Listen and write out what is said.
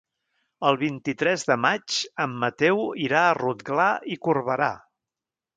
El vint-i-tres de maig en Mateu irà a Rotglà i Corberà.